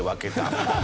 ハハハハ！